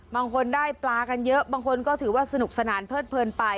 บางคนได้ปลากันเยอะบางคนก็ถือว่าสนุกสนานเพิดเพลินไป